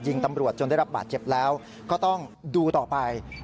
ตำรวจจนได้รับบาดเจ็บแล้วก็ต้องดูต่อไป